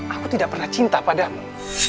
aku tidak pernah cinta padamu